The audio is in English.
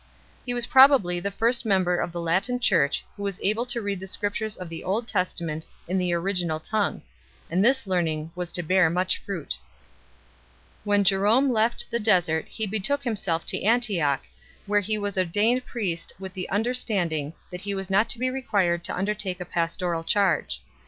He was pro bably the first member of the Latin Church who was able to read the Scriptures of the Old Testament in the original tongue; and this learning was to bear much fruit. When Jerome left the desert he betook himself to Antioch, where he was ordained priest with the under standing that he was not to be required to undertake a pastoral charge 4